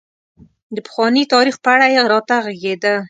د پخواني تاريخ په اړه یې راته غږېده.